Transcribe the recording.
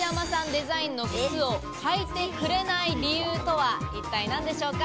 デザインの靴を履いてくれない理由とは一体何でしょうか？